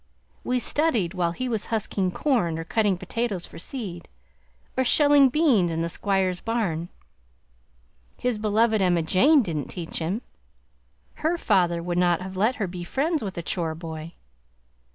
We studied while he was husking corn or cutting potatoes for seed, or shelling beans in the Squire's barn. His beloved Emma Jane didn't teach him; her father wold not have let her be friends with a chore boy!